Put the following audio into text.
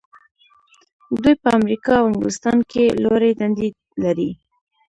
دوی په امریکا او انګلستان کې لوړې دندې لري.